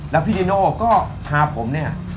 แล้วพี่ดิโน่ก็พาผมเนี่ย